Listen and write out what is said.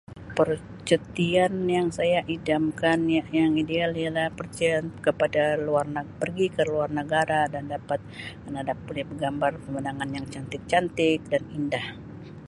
Percutian yang saya idamkan ya-yang ideal ialah percutian kepada luar neg- pergi ke luar negara dan dapat mengadap boleh bergambar pemandangan yang cantik-cantik dan indah.